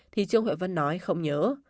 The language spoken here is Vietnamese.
thì trương huệ vân nói không nhớ